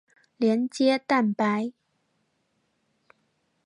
连接蛋白。